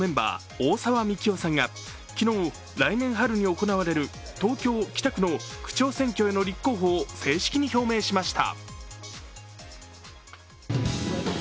大沢樹生さんが昨日、来年春に行われる東京・北区の区長選挙への立候補を正式に表明しました。